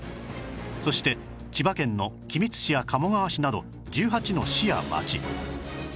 そして千葉県の君津市や鴨川市など１８の市や町